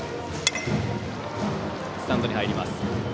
スタンドに入ります。